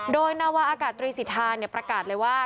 โดยนาวาอากาศตรีสิทธาประกาศเลยว่า